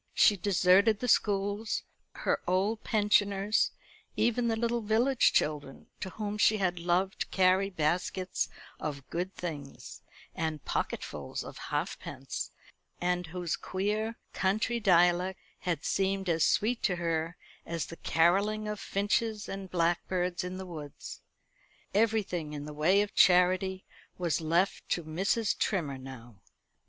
She deserted the schools, her old pensioners, even the little village children, to whom she had loved to carry baskets of good things, and pocketfuls of halfpence, and whose queer country dialect had seemed as sweet to her as the carolling of finches and blackbirds in the woods. Everything in the way of charity was left to Mrs. Trimmer now.